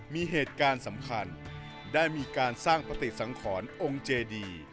มีเหตุการณ์สำคัญได้มีการสร้างปฏิสังขรองค์เจดี